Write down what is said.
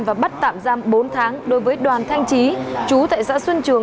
và bắt tạm giam bốn tháng đối với đoàn thanh trí chú tại xã xuân trường